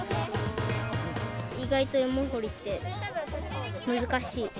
意外と芋掘りって難しい。